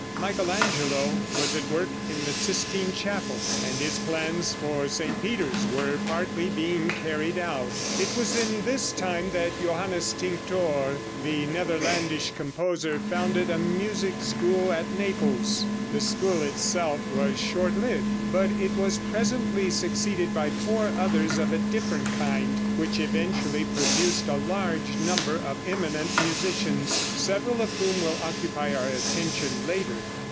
Michael Angelo was at work in the Sistine Chapel, and his plans for St. Peter's were partly being carried out. It was in this time that Johannes Tinctor, the Netherlandish composer, founded a music school at Naples. The school itself was short lived, but it was presently succeeded by four others of a different kind which eventually produced a large number of eminent musicians, several of whom will occupy our attention later.